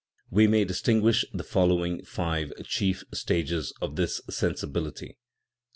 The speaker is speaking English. We may distinguish the following five chief stages of this sensibility : I.